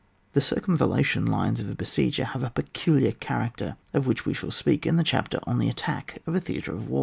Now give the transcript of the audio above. The circumvallation lines of a besiege have a peculiar character, of which we shall speak in the chapter on the attack of a theatre of war.